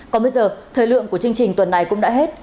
còn bây giờ thời lượng của chương trình tuần này cũng đã hết